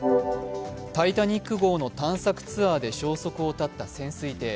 「タイタニック」号の探索ツアーで消息を絶った潜水艇。